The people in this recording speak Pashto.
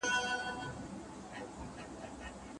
د کوروالي تر پيل مخکي د الله تعالی ذکر کول.